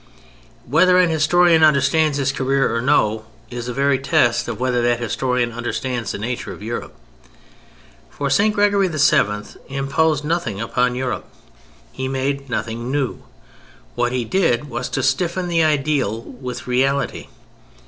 Whether an historian understands his career or no is a very test of whether that historian understands the nature of Europe. For St. Gregory VII. imposed nothing upon Europe. He made nothing new. What he did was to stiffen the ideal with reality.